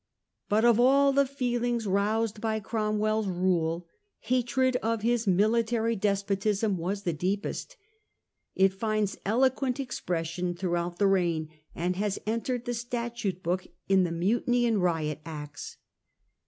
But of all the feelings roused by Cromwell's rule, hatred of his military despotism was the deepest; it finds eloquent expression throughout the reign, and has entered the statute book in the Mutiny and Riot Acts.